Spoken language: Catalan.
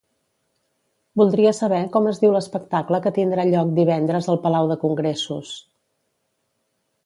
Voldria saber com es diu l'espectacle que tindrà lloc divendres al Palau de Congressos.